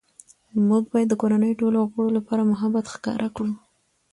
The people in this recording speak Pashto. موږ باید د کورنۍ ټولو غړو لپاره محبت ښکاره کړو